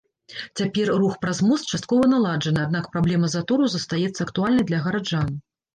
Цяпер рух праз мост часткова наладжаны, аднак праблема затораў застаецца актуальнай для гараджан.